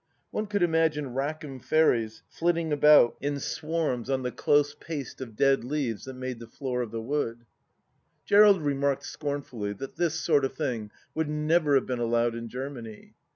One could imagine Rackham fairies flitting about in swarms 204 THE LAST DITCH on the close paste of dead leaves that made the floor of the wood. Gerald remarked scornfully that this sort of thing would never have been allowed in Germany.